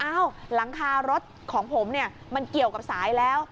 อ้าวหลังคารถของผมมันเกี่ยวกับสายแล้ว